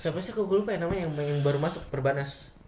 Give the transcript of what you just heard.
siapa sih kok gue lupa ya namanya yang baru masuk perbanas